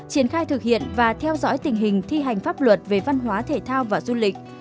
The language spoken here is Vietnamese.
triển khai thực hiện và theo dõi tình hình thi hành pháp luật về văn hóa thể thao và du lịch